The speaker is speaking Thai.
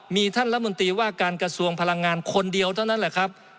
มีท่านรัฐมนตรีว่าการกระทรวงพลังงานคนเดียวเท่านั้นแหละครับ